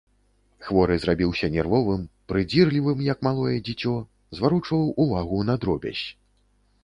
Хворы зрабіўся нервовым, прыдзірлівым, як малое дзіцё, зварочваў увагу на дробязь.